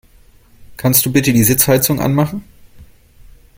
Kannst du bitte die Sitzheizung anmachen?